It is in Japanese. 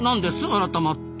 改まって。